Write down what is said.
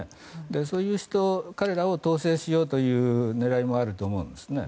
そういう人、彼らを統制しようという狙いもあると思います。